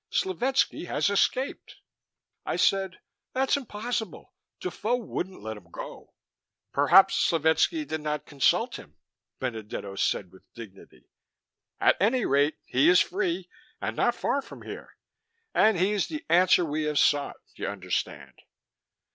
Slovetski has escaped!" I said, "That's impossible! Defoe wouldn't let him go!" "Perhaps Slovetski did not consult him," Benedetto said with dignity. "At any rate, he is free and not far from here. And he is the answer we have sought, you understand."